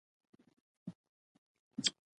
که څارنه وي نو کیفیت نه خرابېږي.